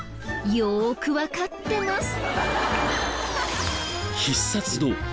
よくわかってます。